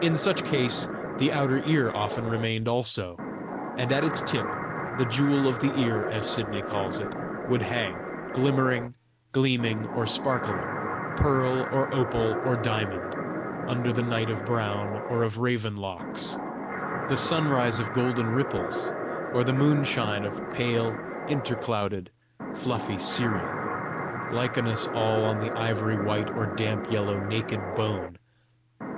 In such case, the outer ear often remained also, and at its tip, the jewel of the ear as Sidney calls it, would hang, glimmering, gleaming, or sparkling, pearl or opal or diamond under the night of brown or of raven locks, the sunrise of golden ripples, or the moonshine of pale, interclouded, fluffy cirri lichenous all on the ivory white or damp yellow naked bone.